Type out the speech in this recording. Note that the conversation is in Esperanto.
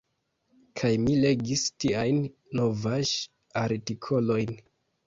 Kaj mi legis tiajn novaĵ-artikolojn.